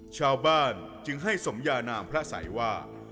ชาวบ้านจึงให้สมยานามพระสัยว่า